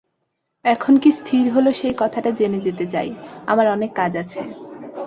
এখন কী স্থির হল সেই কথাটা জেনে যেতে চাই– আমার অনেক কাজ আছে।